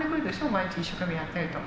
毎日一生懸命やってると。